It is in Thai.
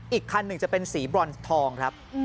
อีกคันหนึ่งจะเป็นสีบรอนทองครับ